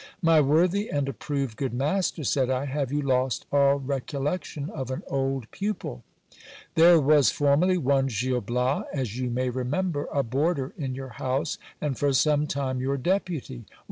My worthy and approved good master, said I, have you lost all recollection of an old pupil ? There was formerly one Gil Bias, as you may remember, a boarder in your house, and for some time your deputy.